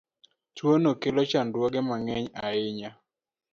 Tuono kelo chandruoge ma ng'eny ahinya.